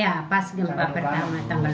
iya pas gempa pertama tanggal dua puluh enam